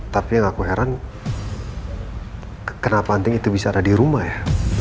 tapi yang aku heran kenapa anting itu bicara di rumah ya